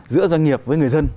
giữa doanh nghiệp với người dân